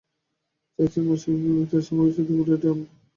চাইছেন মাশরাফি বিন মর্তুজার সামগ্রিক চরিত্র ফুটে ওঠে, এমন একটা লেখা।